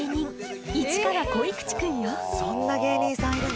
そんな芸人さんいるの？